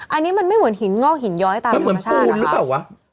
๑๔อันนี้มันไม่เหมือนหินงอกหินย้อยตามธนชาติหรือเปล่าคะมันเหมือนปูนหรือเปล่าวะ